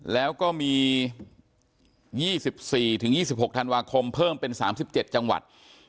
แล้วก็มี๒๔๒๖ธันวาคมเพิ่มเป็น๓๗จังหวัด